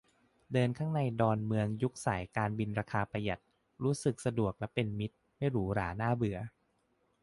เดินข้างในดอนเมืองยุคสายการบินราคาประหยัด รู้สึกสะดวกและเป็นมิตร ไม่หรูหราน่าเบื่อ